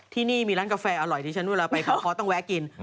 ที่นี่มีร้านกาแฟอร่อยที่ฉันเวลาไปกระเพาะต้องแวะกิน